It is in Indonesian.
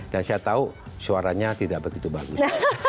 dan saya tahu suaranya tidak begitu bagus